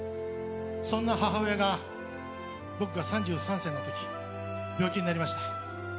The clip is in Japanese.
そんな母親が僕が３３歳の時病気になりました。